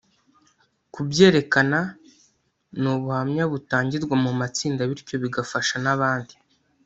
kubyerekana ni ubuhamya butangirwa mu matsinda bityo bigafasha n’abandi